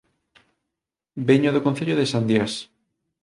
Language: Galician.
Veño do Concello de Sandiás